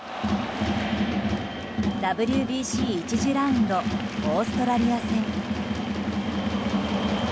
ＷＢＣ１次ラウンドオーストラリア戦。